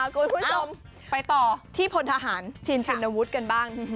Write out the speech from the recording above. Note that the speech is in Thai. คุณผู้ชมไปต่อที่พลทหารชินชินวุฒิกันบ้าง